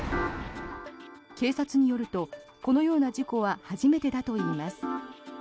警察によるとこのような事故は初めてだといいます。